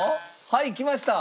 はいきました！